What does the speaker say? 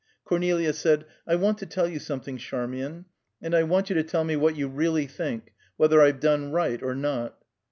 Cornelia said, "I want to tell you something, Charmian, and I want you to tell me what you really think whether I've done right, or not."